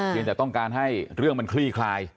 ยังแต่ต้องการให้เรื่องมันคลี่คลาย